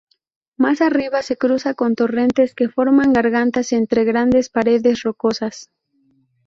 Más arriba se cruza con torrentes que forman gargantas entre grandes paredes rocosas.